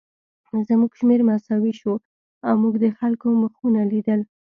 زموږ شمېر مساوي شو او موږ د خلکو مخونه لیدل